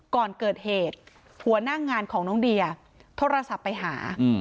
ก่อนเกิดเหตุหัวหน้างานของน้องเดียโทรศัพท์ไปหา